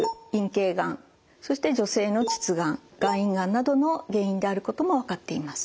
そして女性の膣がん外陰がんなどの原因であることも分かっています。